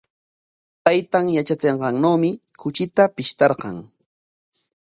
Taytan yatsikunqannawmi kuchita pishtarqan.